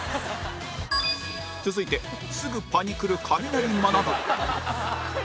続いてすぐパニクるカミナリまなぶ